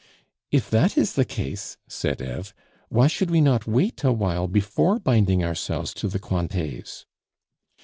"If that is the case," said Eve, "why should we not wait awhile before binding ourselves to the Cointets?"